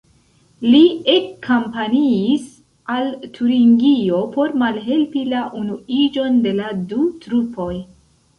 Li ekkampanjis al Turingio por malhelpi la unuiĝon de la du trupoj.